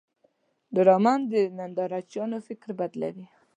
ډرامه د نندارچیانو فکر بدلوي